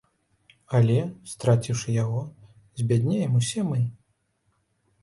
Але, страціўшы яго, збяднеем усе мы.